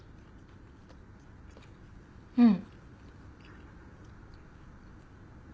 うん。